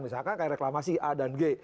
misalkan kayak reklamasi a dan g